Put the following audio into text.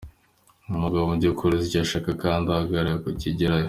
Umugabo mu by’ukuri uzi icyo ashaka kandi agaharanira ku kigeraho.